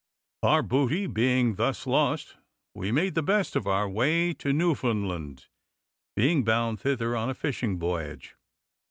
Our booty being thus lost, we made the best of our way to Newfoundland, being bound thither on a fishing voyage.